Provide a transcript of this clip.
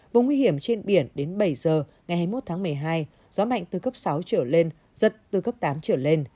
vùng nguy hiểm trên biển đến bảy giờ ngày hai mươi một tháng một mươi hai gió mạnh từ cấp sáu trở lên giật từ cấp tám trở lên